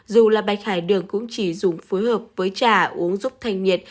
dù là bạch hải đường cũng chỉ dùng phối hợp với trà uống giúp thanh nhiệt